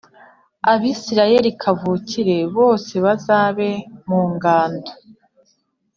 Abisirayeli kavukire bose bazabe mu ngando